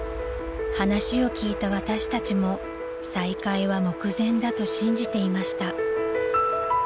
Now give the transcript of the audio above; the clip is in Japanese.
［話を聞いた私たちも再会は目前だと信じていました］